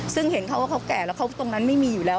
ซึ่งเห็นเขาว่าเขาแก่แล้วตรงนั้นไม่มีอยู่แล้ว